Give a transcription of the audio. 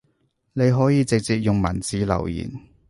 你可以直接用文字留言